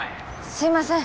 すみません。